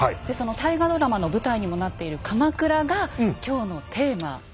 でその大河ドラマの舞台にもなっている「鎌倉」が今日のテーマ。